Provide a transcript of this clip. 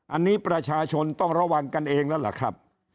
อันนี้ประชาชนต้องระวังกันเองแล้วล่ะครับ